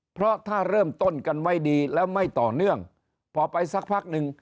เพราะถ้าเริ่มต้นกันไว้ดีแล้วไม่ต่อเนื่องพอไปสักพักหนึ่ง